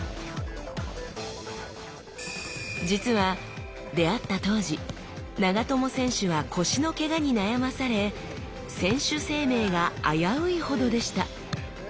実は出会った当時長友選手は腰のケガに悩まされ選手生命が危ういほどでした。